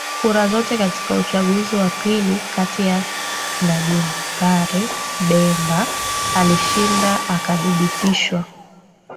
kura zote Katika uchaguzi wa pili kati yake na JeanPierre Bemba alishinda akathibitishwa